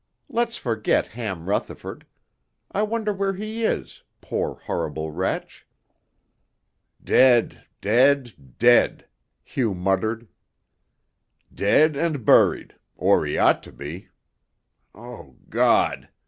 Let's forget Ham Rutherford. I wonder where he is, poor, horrible wretch!" "Dead dead dead," Hugh muttered. "Dead and buried or he ought to be. O God!"